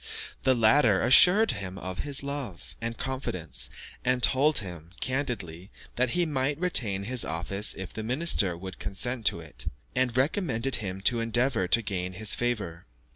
The latter assured him of his love and confidence, and told him, candidly, that he might retain his office if the minister would consent to it, and recommended him to endeavour to gain his favour.